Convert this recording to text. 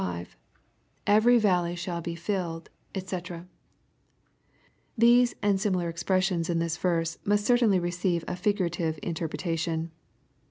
^. ^Bvery valtey shall be filled, (kc] These and similar expressions la this verse must certainly receive a figurative interpretation.